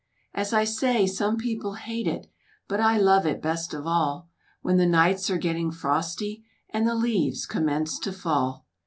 As I say, some people hate it, But I love it best of all; When the nights are getting frosty And the leaves commence to fall.